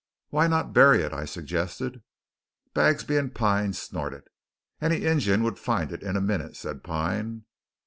"Why not bury it?" I suggested. Bagsby and Pine snorted. "Any Injun would find it in a minute," said Pine.